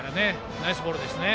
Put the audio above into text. ナイスボールですね。